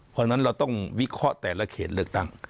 เพราะฉะนั้นเราต้องวิเคราะห์แต่ละเขตเลือกตั้ง